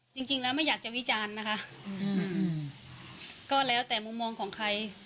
จริงแล้วไม่อยากจะวิจารณ์นะคะอืมก็แล้วแต่มุมมองของใคร